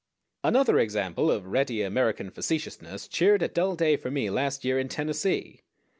Another example of ready American facetiousness cheered a dull day for me last year in Tennessee.